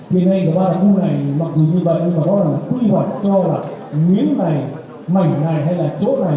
thì nay các ba đặc khu này mọi thứ như vậy nhưng mà có lẽ là quy hoạch cho là miếng này mảnh này hay là chốt này